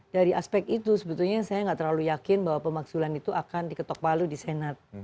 dari aspek itu sebetulnya saya nggak terlalu yakin bahwa pemaksulan itu akan diketok palu di senat